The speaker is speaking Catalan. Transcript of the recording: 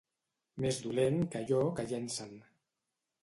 Més dolent que allò que llencen.